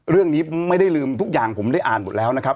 เรื่องนี้ไม่ได้ลืมทุกอย่างผมได้อ่านหมดแล้วนะครับ